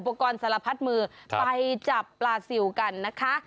กรณ์สารพัดมือไปจับปลาซิลกันนะคะ